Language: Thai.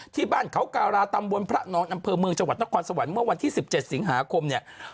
ที่บ้านเขาการาตำบลพระนอนอำเภอเมืองจังหวัดนครสวรรค์เมื่อวันที่๑๗สิงหาคมเนี่ย